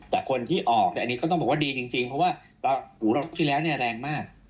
แต่คนที่ออกเนี่ยอันนี้ก็ต้องบอกว่าดีจริงเพราะว่าที่แล้วเนี่ยแรงมาก